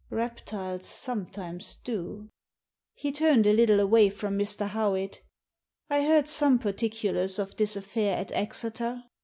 Reptiles sometimes do." He turned a little away from Mr. Howitt. "I heard some particulars of this affair at Exeter.